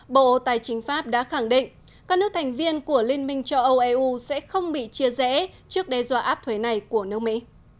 bộ tài chính pháp đã khẳng định các nước thành viên của liên minh châu âu eu sẽ không bị chia rẽ trước đe dọa áp thuế này của nước mỹ